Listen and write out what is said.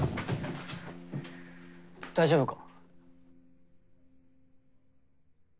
大丈夫か？